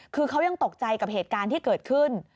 คือเขายังตกใจกับเหตุการณ์ที่เกิดขึ้น